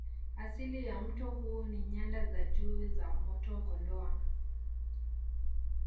Asili ya mto huu ni Nyanda za Juu za mto Kondoa